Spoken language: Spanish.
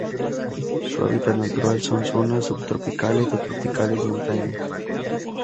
Su hábitat natural son: zonas subtropicales o tropicales, montañas.